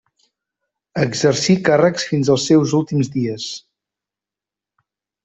Exercí càrrecs fins als seus últims dies.